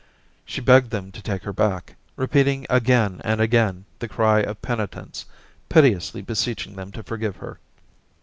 She begged them to take her back, repeating again and again the cry of penitence, piteously beseeching them to forgive her.